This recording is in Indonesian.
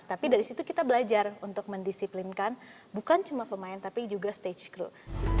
tapi dari situ kita belajar untuk mendisiplinkan bukan cuma pemain tapi juga stage group